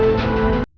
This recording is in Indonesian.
menjenggelam urak gua